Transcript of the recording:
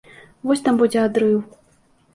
Вось там будзе адрыў!